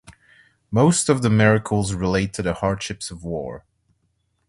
Most of the miracles relate to the hardships of war.